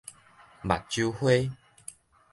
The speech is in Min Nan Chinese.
目睭花